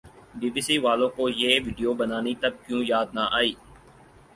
be B C والوں کو یہ وڈیو بنانی تب کیوں یاد نہ آئی